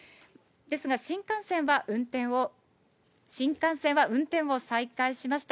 ですが新幹線は運転を、新幹線は運転を再開しました。